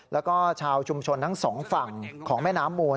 แล้วก็ชาวชุมชนทั้งสองฝั่งของแม่น้ำมูล